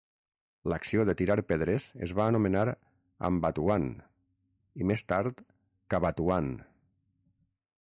L'acció de tirar pedres es va anomenar "ambatuan" i, més tard, "cabatuan".